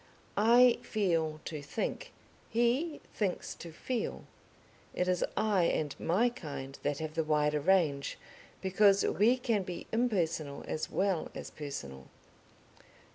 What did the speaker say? I feel to think, he thinks to feel. It is I and my kind that have the wider range, because we can be impersonal as well as personal.